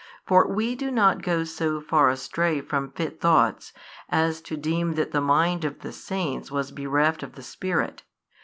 For we do not go so far astray from fit thoughts, as to deem that the mind of the saints was bereft of the Spirit.